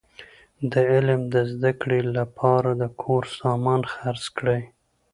د علم د زده کړي له پاره د کور سامان خرڅ کړئ!